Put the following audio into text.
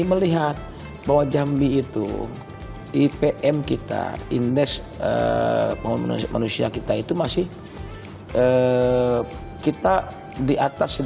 ini penocongan yayo itu cepetidet yang ini kan su misalnya pasang masachine com ini areas sirah su ocur